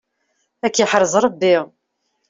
Ad k-yeḥrez Ṛebbi.